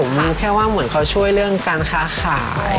มาแค่ว่าเหมือนเขาช่วยเรื่องการค้าขาย